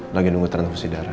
lagi nunggu transversi darah